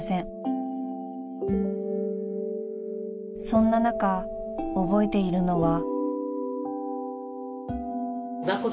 ［そんな中覚えているのは］